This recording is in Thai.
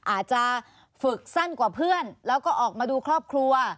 อาจจะฝึกสั้นกว่าเพื่อนแล้วก็ออกมาดูครอบครัว